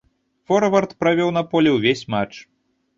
Форвард правёў на полі ўвесь матч.